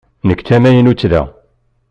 Nekk d tamaynut da.